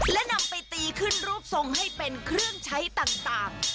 และนำไปตีขึ้นรูปทรงให้เป็นเครื่องใช้ต่าง